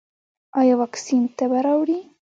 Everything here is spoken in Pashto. ایا واکسین تبه راوړي؟